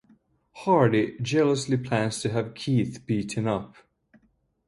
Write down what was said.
Hardy jealously plans to have Keith beaten up.